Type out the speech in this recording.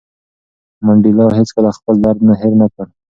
منډېلا هېڅکله خپل درد هېر نه کړ.